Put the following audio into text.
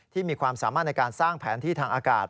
มีความสามารถในการสร้างแผนที่ทางอากาศ